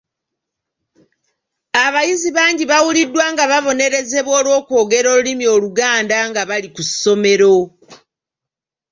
Abayizi bangi bawuliddwa nga babonerezebwa olw’okwogera olulimi Oluganda nga bali ku ssomero.